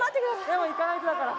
でも行かないとだから。